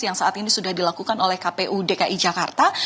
yang saat ini sudah dilakukan oleh kpu dki jakarta